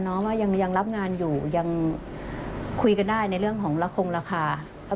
หุ่นเหินหน้าต้องหน้าตาสวยเหมือนเดิมนะครับ